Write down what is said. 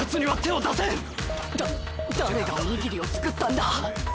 誰がおにぎりを作ったんだ？